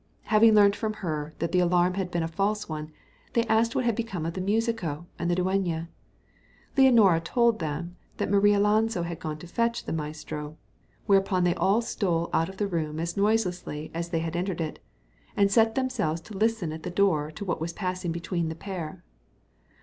Having learnt from her that the alarm had been a false one, they asked what had become of the musico and the dueña. Leonora told them that Marialonso had gone to fetch the maestro, whereupon they all stole out of the room as noiselessly as they had entered it, and set themselves to listen at the door to what was passing between the pair.